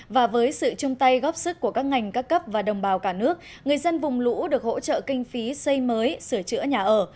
và với sự chung tay góp sức của các ngành các cấp và đồng bào cả nước người dân vùng lũ được hỗ trợ kinh phí xây mới sửa chữa nhà ở